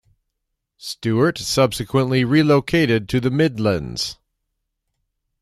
Stuart subsequently relocated to the Midlands.